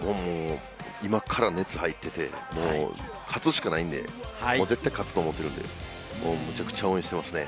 今から熱入ってて、勝つしかないんで、絶対勝つと思ってるんで、むちゃくちゃ応援してますね。